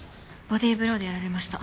ボディーブローでやられました。